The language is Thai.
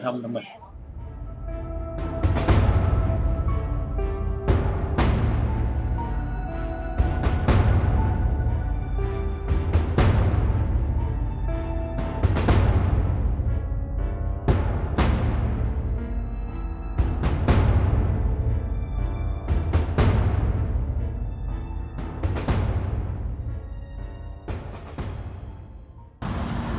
จำนวนความตลาดประตูต้น